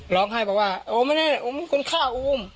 ร้องให้แบบว่าโอ้มีคนฆ่าโอม